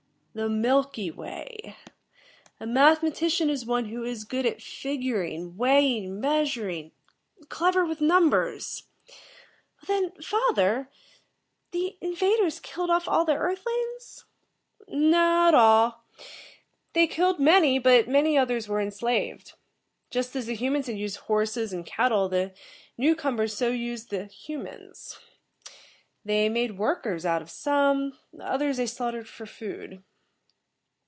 "The Milky Way. A mathematician is one who is good at figuring, weighing, measuring, clever with numbers." "Then, father, the invaders killed off all the Earth lings?" "Not all. They killed many, but many others were enslaved. Just as the humans had used horses and cattle, the newcomers so used the humans. They made workers out of some, others they slaughtered for food."